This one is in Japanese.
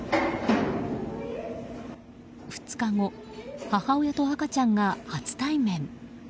２日後、母親と赤ちゃんが初対面。